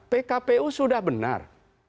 pkpu sudah benar